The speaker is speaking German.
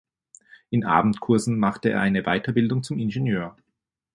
In Abendkursen machte er eine Weiterbildung zum Ingenieur.